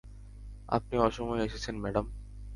আপনি অসময়ে এসেছেন, ম্যাডাম।